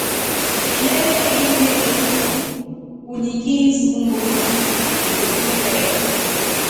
Ilɛ́lɛ́ eyíné e nipun, unyɛ ki nsumbú ne pekul pɛɛy.